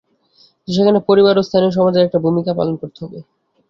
কিন্তু সেখানে পরিবার ও স্থানীয় সমাজের একটা ভূমিকা পালন করতে হবে।